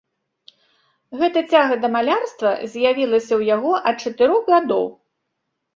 Гэта цяга да малярства з'явілася ў яго ад чатырох гадоў.